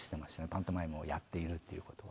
パントマイムをやっているっていう事は。